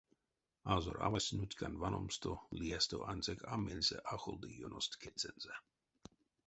Азоравась нуцькань ваномсто лиясто ансяк а мельсэ ахолды ёност кедьсэнзэ.